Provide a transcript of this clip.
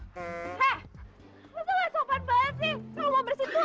hah lo tuh gak sopan banget sih